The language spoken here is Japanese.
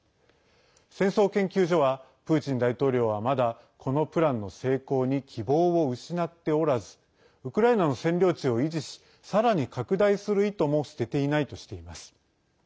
戦争研究所はプーチン大統領は、まだこのプランの成功に希望を失っておらずウクライナの占領地を維持しさらに拡大する意図も捨てていないとしています。